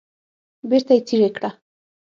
بیرته یې څیرې کړه.